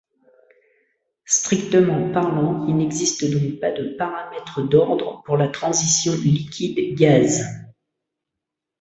Strictement parlant, il n'existe donc pas de paramètre d'ordre pour la transition liquide-gaz.